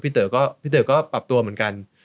พี่เตอะก็ปรับตัวเหมือนกัน